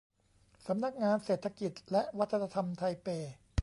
สำนักงานเศรษฐกิจและวัฒนธรรมไทเป